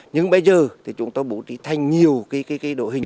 nhưng bây giờ thì chúng tôi bố trí thành nhiều đội hình